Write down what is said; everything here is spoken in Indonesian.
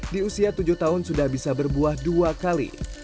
di usia tujuh tahun sudah bisa berbuah dua kali